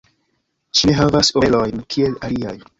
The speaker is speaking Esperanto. Ŝi ne havas orelojn kiel aliaj.